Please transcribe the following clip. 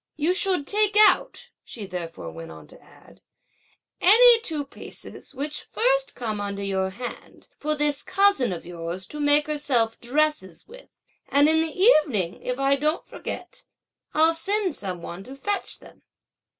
"You should take out," she therefore went on to add, "any two pieces which first come under your hand, for this cousin of yours to make herself dresses with; and in the evening, if I don't forget, I'll send some one to fetch them."